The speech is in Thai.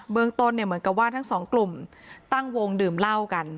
เมืองต้นเนี่ยเหมือนกับว่าทั้งสองกลุ่มตั้งวงดื่มเหล้ากัน